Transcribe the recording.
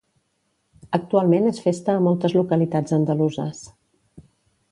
Actualment és festa a moltes localitats andaluses.